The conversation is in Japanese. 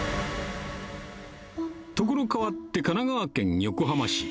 所変わって、神奈川県横浜市。